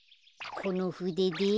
このふでで。